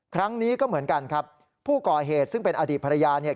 ครั้งนี้ก็เหมือนกันครับผู้ก่อเหตุซึ่งเป็นอดีตภรรยาเนี่ย